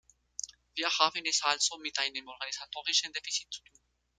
Wir haben es also mit einem organisatorischen Defizit zu tun.